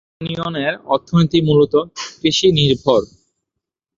এ ইউনিয়নের অর্থনীতি মূলত কৃষি নির্ভর।